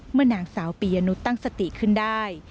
เมื่อนางสาวปียณุฑตั้งสติขึ้นได้